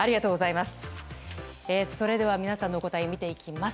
それでは皆さんのお答え見ていきます。